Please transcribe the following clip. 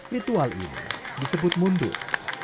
ritual ini disebut mundur